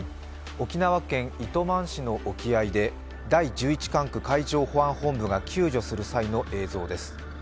沖縄県糸満市の沖合で第十一管区海上保安部が救助する際の映像です。